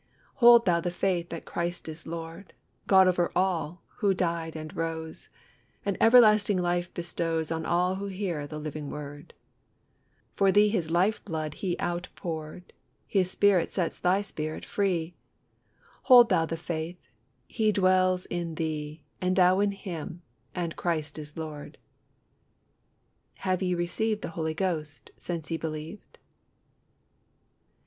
"Hold thou the faith that Christ is Lord, God over all, who died and rose; And everlasting life bestows On all who hear the living word. For thee His life blood He out poured, His Spirit sets thy spirit free; Hold thou the faith He dwells in thee, And thou in Him, and Christ is Lord!" "HAVE YE RECEIVED THE HOLY GHOST SINCE YE BELIEVED?"